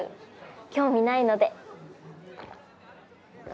興味ないので。